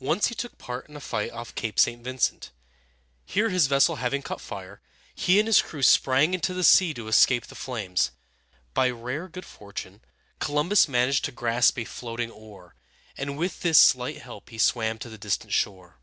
Once he took part in a fight off Cape St. Vin´cent. Here, his vessel having caught fire, he and his crew sprang into the sea to escape the flames. By rare good fortune, Columbus managed to grasp a floating oar, and with this slight help he swam to the distant shore.